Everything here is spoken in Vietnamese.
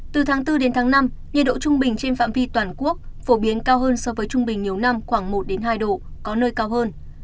từ tháng bốn đến tháng năm nhiệt độ trung bình trên phạm vi toàn quốc phổ biến cao hơn so với trung bình nhiều năm khoảng một hai độ có nơi cao hơn